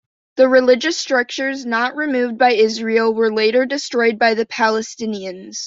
The religious structures not removed by Israel were later destroyed by Palestinians.